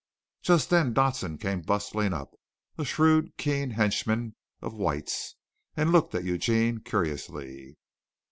Just then Dodson came bustling up, a shrewd, keen henchman of White's, and looked at Eugene curiously.